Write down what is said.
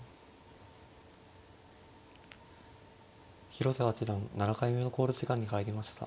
広瀬八段７回目の考慮時間に入りました。